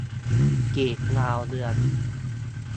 กลีบดาวเรือง